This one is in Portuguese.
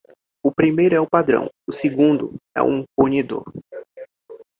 O primeiro é um padrão, o segundo é um punidor.